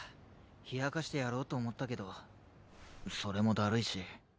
冷やかしてやろうと思ったけどそれもだるいし。